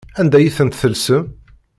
Anda ay tent-tellsem?